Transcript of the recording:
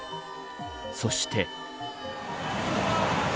そして。